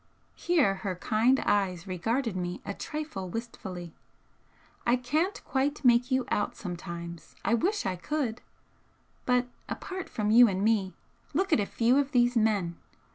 Here her kind eyes regarded me a trifle wistfully. "I can't quite make you out sometimes, I wish I could! But apart from you and me look at a few of these men!